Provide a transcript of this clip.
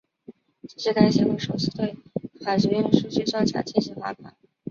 这是该协会首次对法学院数据造假进行罚款。